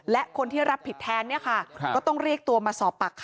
และคนที่รับผิดแทนเนี่ยค่ะก็ต้องเรียกตัวมาสอบปากคำ